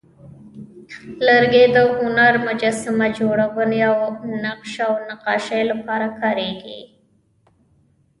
لرګی د هنر، مجسمه جوړونې، او نقش و نقاشۍ لپاره کارېږي.